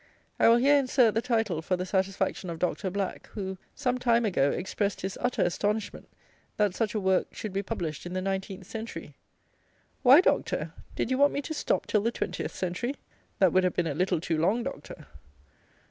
I will here insert the title for the satisfaction of Doctor Black, who, some time ago, expressed his utter astonishment, that "such a work should be published in the nineteenth century." Why, Doctor? Did you want me to stop till the twentieth century? That would have been a little too long, Doctor.